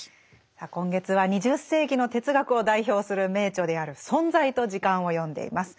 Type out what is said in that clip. さあ今月は２０世紀の哲学を代表する名著である「存在と時間」を読んでいます。